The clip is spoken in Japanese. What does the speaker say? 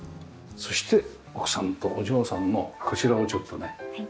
そして奥さんとお嬢さんのこちらをちょっとね。